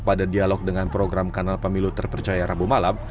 pada dialog dengan program kanal pemilu terpercaya rabu malam